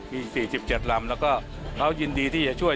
มี๔๗ลำแล้วก็เขายินดีที่จะช่วย